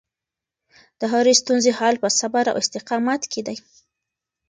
د هرې ستونزې حل په صبر او استقامت کې دی.